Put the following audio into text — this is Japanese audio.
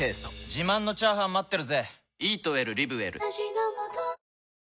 自慢のチャーハン待ってるぜ！